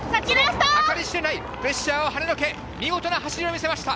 計り知れないプレッシャーをはねのけ、見事な走りを見せました。